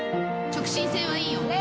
直進性はいいよ。